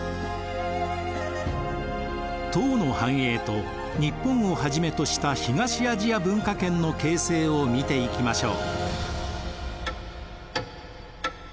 唐の繁栄と日本をはじめとした東アジア文化圏の形成を見ていきましょう。